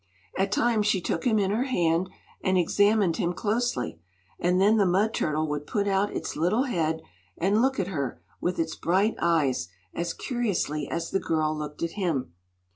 At times she took him in her hand and examined him closely, and then the mud turtle would put out its little head and look at her with its bright eyes as curiously as the girl looked at him.